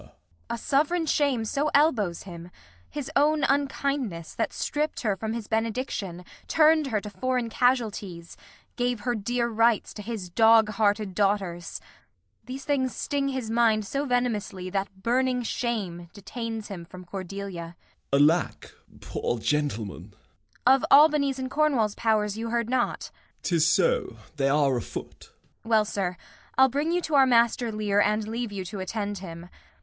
Kent. A sovereign shame so elbows him; his own unkindness, That stripp'd her from his benediction, turn'd her To foreign casualties, gave her dear rights To his dog hearted daughters these things sting His mind so venomously that burning shame Detains him from Cordelia. Gent. Alack, poor gentleman! Kent. Of Albany's and Cornwall's powers you heard not? Gent. 'Tis so; they are afoot. Kent. Well, sir, I'll bring you to our master Lear And leave you to attend him.